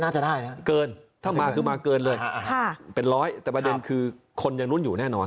จะมาเกินเลยเป็น๑๐๐แต่ประเด็นคือคนนั้นอยู่แน่นอน